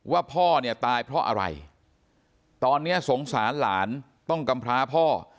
ว่าพ่อเนี่ยตายเพราะอะไรตอนนี้สงสารหลานต้องกำพร้าพ่อ